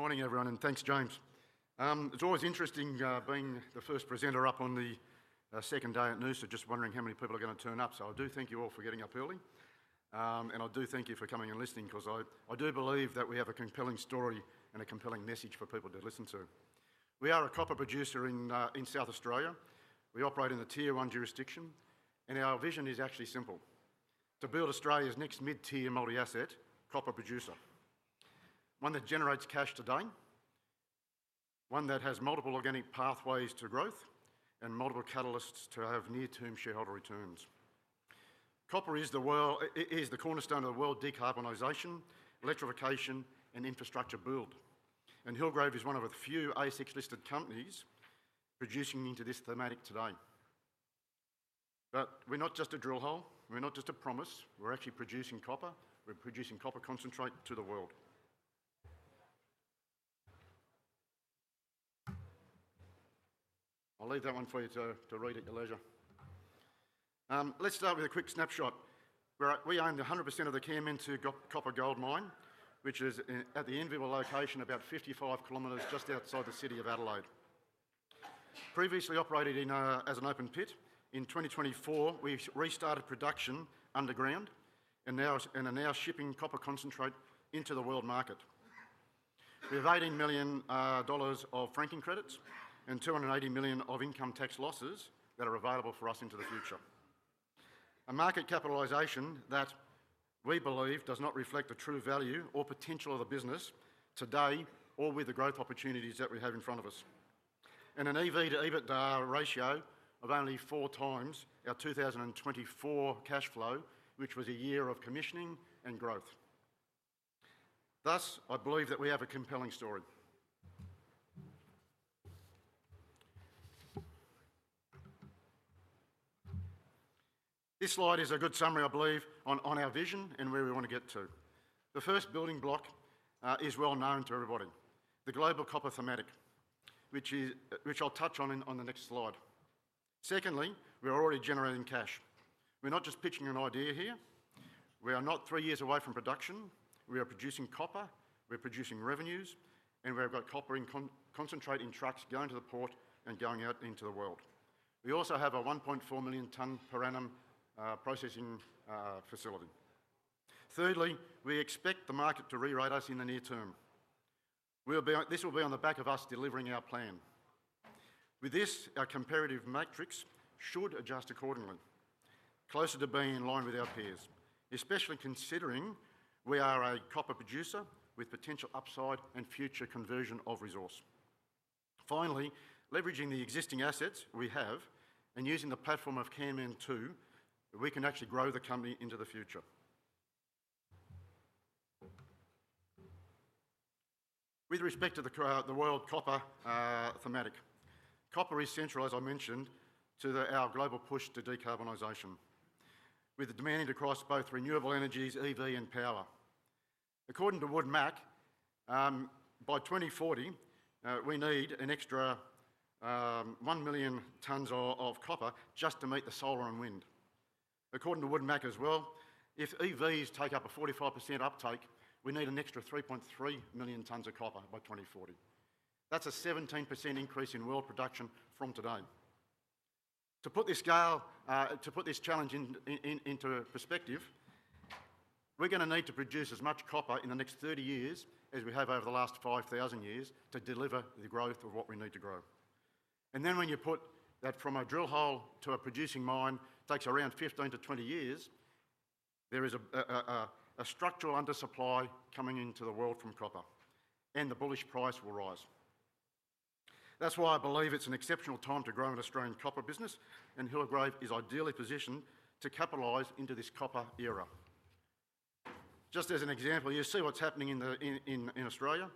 Morning everyone, and thanks James. It's always interesting, being the first presenter up on the second day at noon. Just wondering how many people are going to turn up. I do thank you all for getting up early, and I do thank you for coming and listening because I do believe that we have a compelling story and a compelling message for people to listen to. We are a copper producer in South Australia. We operate in the Tier 1 jurisdiction, and our vision is actually simple: to build Australia's next mid-tier multi-asset copper producer. One that generates cash today, one that has multiple organic pathways to growth, and multiple catalysts to have near-term shareholder returns. Copper is the cornerstone of the world decarbonization, electrification, and infrastructure build. Hillgrove is one of the few ASX listed companies producing into this thematic today. We're not just a drill hole, we're not just a promise, we're actually producing copper, we're producing copper concentrate to the world. I'll leave that one for you to read at your leisure. Let's start with a quick snapshot. We own 100% of the Kanmantoo Copper-Gold Mine, which is at the Kanmantoo location, about 55 kilometers just outside the city of Adelaide. Previously operated as an open pit, in 2024 we restarted production underground and are now shipping copper concentrate into the world market. We have $18 million of franking credits and $280 million of income tax losses that are available for us into the future. A market capitalization that we believe does not reflect the true value or potential of the business today or with the growth opportunities that we have in front of us. An EV/EBITDA ratio of only 4x our 2024 cash flow, which was a year of commissioning and growth. I believe that we have a compelling story. This slide is a good summary, I believe, on our vision and where we want to get to. The first building block is well known to everybody, the global copper thematic, which I'll touch on on the next slide. Secondly, we're already generating cash. We're not just pitching an idea here. We are not three years away from production. We are producing copper, we're producing revenues, and we've got copper concentrate in trucks going to the port and going out into the world. We also have a 1.4 million tonne per annum processing facility. Thirdly, we expect the market to rerate us in the near term. This will be on the back of us delivering our plan. With this, our comparative matrix should adjust accordingly, closer to being in line with our peers, especially considering we are a copper producer with potential upside and future conversion of resource. Finally, leveraging the existing assets we have and using the platform of Kanmantoo, we can actually grow the company into the future. With respect to the world copper thematic, copper is central, as I mentioned, to our global push to decarbonization, with the demand across both renewable energies, EV, and power. According to Wood Mackenzie, by 2040, we need an extra 1 million tonnes of copper just to meet the solar and wind. According to Wood Mackenzie as well, if EVs take up a 45% uptake, we need an extra 3.3 million tonnes of copper by 2040. That's a 17% increase in world production from today. To put this challenge into perspective, we're going to need to produce as much copper in the next 30 years as we have over the last 5,000 years to deliver the growth of what we need to grow. When you put that from a drill hole to a producing mine, it takes around 15 to 20 years, there is a structural undersupply coming into the world from copper, and the bullish price will rise. That's why I believe it's an exceptional time to grow an Australian copper business, and Hillgrove is ideally positioned to capitalize into this copper era. Just as an example, you see what's happening in Australia.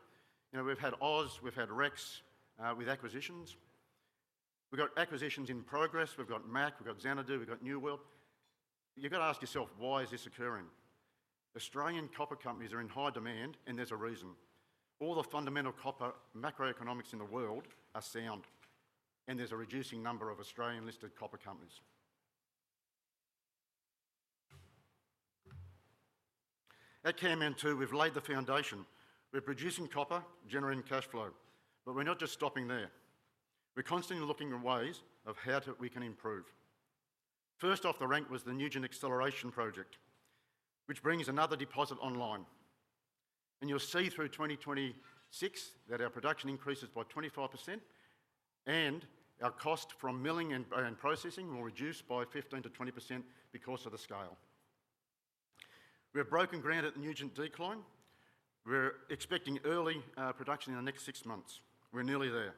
We've had OZ, we've had Rex with acquisitions. We've got acquisitions in progress. We've got MACH, we've got Xanadu, we've got New World. You've got to ask yourself, why is this occurring? Australian copper companies are in high demand, and there's a reason. All the fundamental copper macroeconomics in the world are sound, and there's a reducing number of Australian listed copper companies. At Kanmantoo, we've laid the foundation. We're producing copper, generating cash flow, but we're not just stopping there. We're constantly looking for ways of how we can improve. First off the rank was the Newgen Acceleration Project, which brings another deposit online. You'll see through 2026 that our production increases by 25%, and our cost from milling and processing will reduce by 15%-20% because of the scale. We've broken ground at Newgen Decline. We're expecting early production in the next six months. We're nearly there.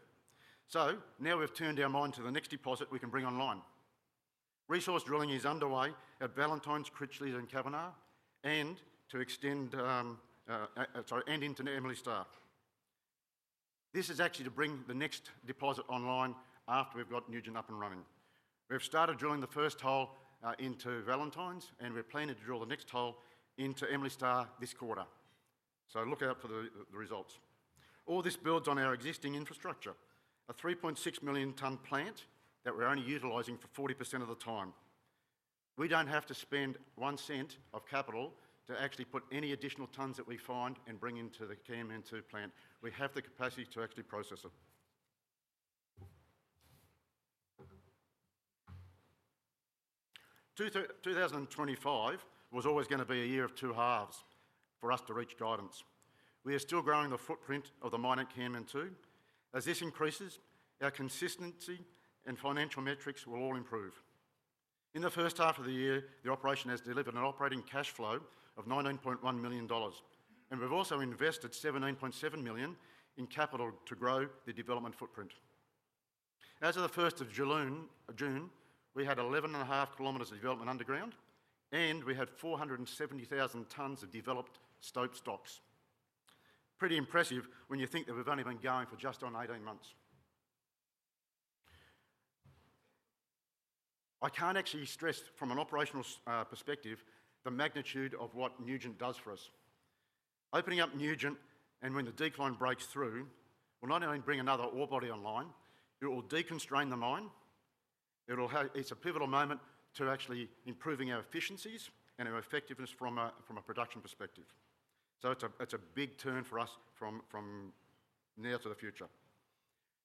Now we've turned our mind to the next deposit we can bring online. Resource drilling is underway at Ballantyne, Critchlea, and Cavanagh, and into Emily Star. This is actually to bring the next deposit online after we've got Newgen up and running. We've started drilling the first hole into Ballantyne, and we're planning to drill the next hole into Emily Star this quarter. Look out for the results. All this builds on our existing infrastructure, a 3.6 million tonne per annum plant that we're only utilizing for 40% of the time. We don't have to spend one cent of capital to actually put any additional tonnes that we find and bring into the Kanmantoo plant. We have the capacity to actually process it. 2025 was always going to be a year of two halves for us to reach guidance. We are still growing the footprint of the mine at Kanmantoo. As this increases, our consistency and financial metrics will all improve. In the first half of the year, the operation has delivered an operating cash flow of $19.1 million, and we've also invested $17.7 million in capital to grow the development footprint. As of the 1st of June, we had 11.5 kilometers of development underground, and we had 470,000 tonnes of developed stope stocks. Pretty impressive when you think that we've only been going for just on 18 months. I can't actually stress from an operational perspective the magnitude of what Newgen does for us. Opening up Newgen, and when the decline breaks through, will not only bring another ore body online, it will deconstrain the mine. It's a pivotal moment to actually improving our efficiencies and our effectiveness from a production perspective. It's a big turn for us from now to the future.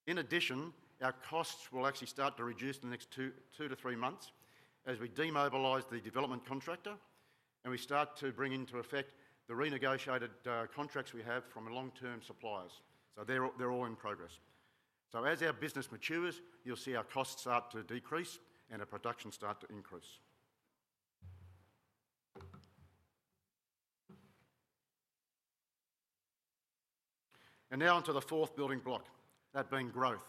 In addition, our costs will actually start to reduce in the next two to three months as we demobilize the development contractor, and we start to bring into effect the renegotiated contracts we have from long-term suppliers. They're all in progress. As our business matures, you'll see our costs start to decrease and our production start to increase. Now onto the fourth building block, that being growth,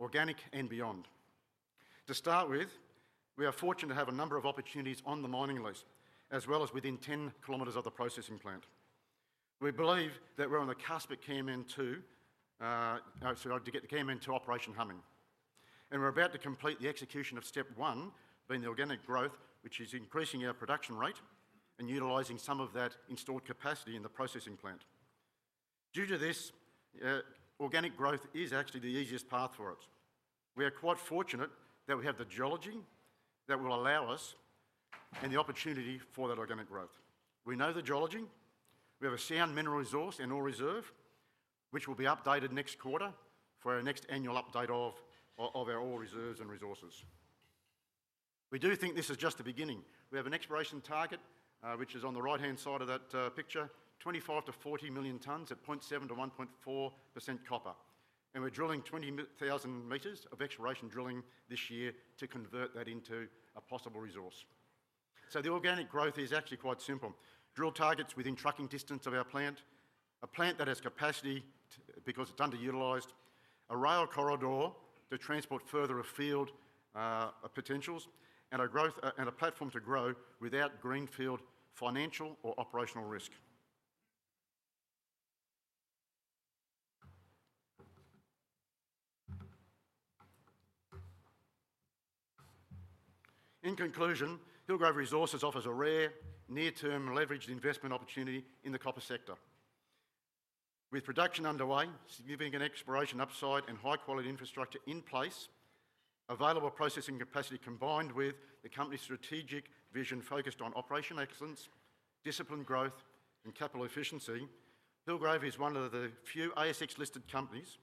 organic and beyond. To start with, we are fortunate to have a number of opportunities on the mining list, as well as within 10 kilometers of the processing plant. We believe that we're on the cusp at Kanmantoo to get the Kanmantoo operation humming. We're about to complete the execution of step one in the organic growth, which is increasing our production rate and utilizing some of that installed capacity in the processing plant. Due to this, organic growth is actually the easiest path for us. We are quite fortunate that we have the geology that will allow us and the opportunity for that organic growth. We know the geology. We have a sound Mineral Resource and Ore Reserve, which will be updated next quarter for our next annual update of our Ore Reserves and resources. We do think this is just the beginning. We have an Exploration target, which is on the right-hand side of that picture, 25 million-40 million tonnes at 0.7%-1.4% copper and we're drilling 20,000 meters of exploration drilling this year to convert that into a possible resource. The organic growth is actually quite simple. Drill targets within trucking distance of our plant, a plant that has capacity because it's underutilized, a rail corridor to transport further afield potentials, and a growth and a platform to grow without greenfield financial or operational risk. In conclusion, Hillgrove Resources offers a rare, near-term leveraged investment opportunity in the copper sector. With production underway, significant exploration upside, and high-quality infrastructure in place, available processing capacity combined with the company's strategic vision focused on operational excellence, disciplined growth, and capital efficiency, Hillgrove is one of the few ASX-listed companies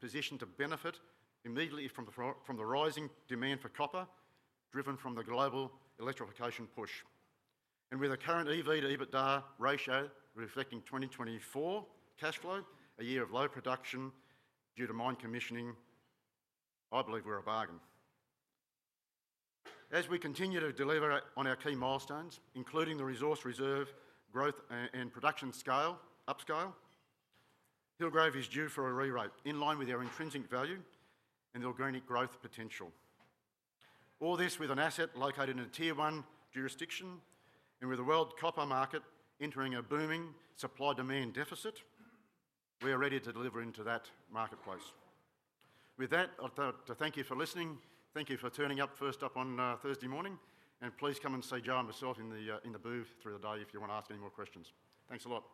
positioned to benefit immediately from the rising demand for copper, driven from the global electrification push. With a current EV/EBITDA ratio reflecting 2024 cash flow, a year of low production due to mine commissioning, I believe we're a bargain. As we continue to deliver on our key milestones, including the resource reserve, growth, and production scale upscale, Hillgrove is due for a rerate in line with our intrinsic value and the organic growth potential. All this with an asset located in a Tier 1 jurisdiction and with the world copper market entering a booming supply-demand deficit, we are ready to deliver into that marketplace. I'd like to thank you for listening. Thank you for turning up first up on Thursday morning, and please come and say ciao and besoe in the booth through the day if you want to ask any more questions. Thanks a lot.